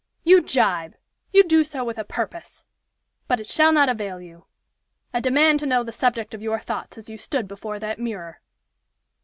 "You jibe! You do so with a purpose. But it shall not avail you. I demand to know the subject of your thoughts as you stood before that mirror."